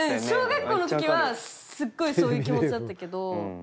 小学校の時はすっごいそういう気持ちだったけど。